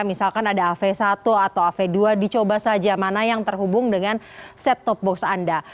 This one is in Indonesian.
misalkan ada av satu atau av dua dicoba saja mana yang terhubung dengan set top box anda